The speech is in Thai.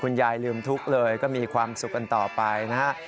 ยายลืมทุกข์เลยก็มีความสุขกันต่อไปนะฮะ